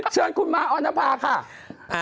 เชิญคุณม้าออนภาค่ะ